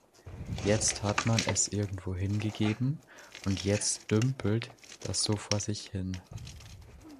Jetzt hat man es irgendwo hingegeben und jetzt dümpelt das so vor sich hin.